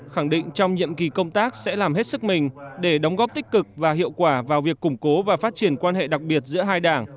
khẳng định trong nhiệm kỳ công tác sẽ làm hết sức mình để đóng góp tích cực và hiệu quả vào việc củng cố và phát triển quan hệ đặc biệt giữa hai đảng